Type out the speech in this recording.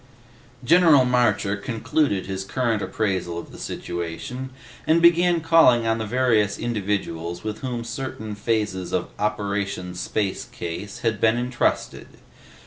General Marcher concluded his current appraisal of the situation and began calling on the various individuals with whom certain phases of OPERATION SPACE CASE had been entrusted.